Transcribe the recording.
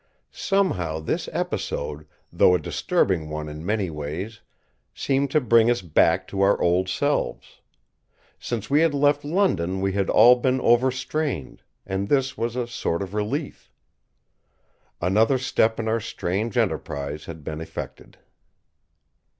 Somehow this episode, though a disturbing one in many ways, seemed to bring us back to our old selves. Since we had left London we had all been overstrained; and this was a sort of relief. Another step in our strange enterprise had been effected.